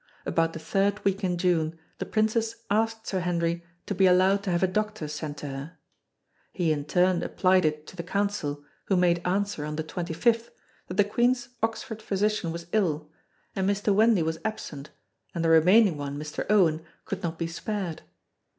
About the third week in June the Princess asked Sir Henry to be allowed to have a doctor sent to her. He in turn applied to the Council who made answer on the 25th that the Queen's Oxford physician was ill and Mr. Wendy was absent and the remaining one, Mr. Owen, could not be spared.